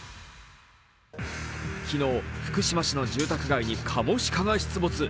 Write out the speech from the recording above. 昨日、福島市の住宅街にカモシカが出没。